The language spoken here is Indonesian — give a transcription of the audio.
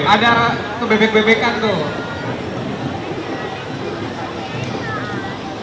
ada bebek bebekan tuh